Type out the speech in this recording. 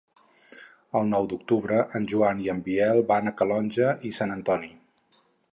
El nou d'octubre en Joan i en Biel van a Calonge i Sant Antoni.